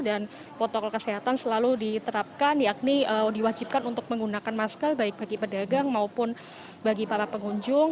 dan protokol kesehatan selalu diterapkan yakni diwajibkan untuk menggunakan masker baik bagi pedagang maupun bagi para pengunjung